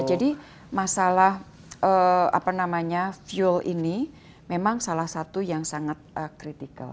jadi masalah apa namanya fuel ini memang salah satu yang sangat critical